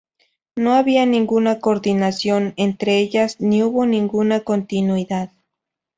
No había ninguna coordinación entre ellas, ni hubo ninguna continuidad.